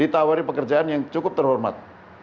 ditawari pekerjaan yang cukup terhormat